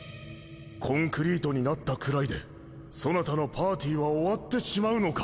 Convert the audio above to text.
コンクリートになったくらいでそなたのパーティは終わってしまうのか？